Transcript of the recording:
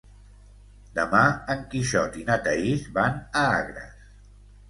Demà en Quixot i na Thaís van a Agres.